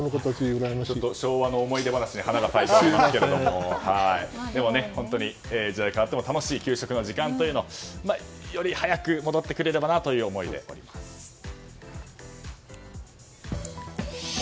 昭和の思い出話に花が咲きましたけど本当に時代が変わっても楽しい給食の時間がより早く戻ってくればなという思いですね。